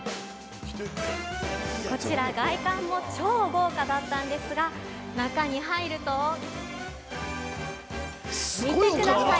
◆こちら外観も超豪華だったんですが、中に入ると、見てください。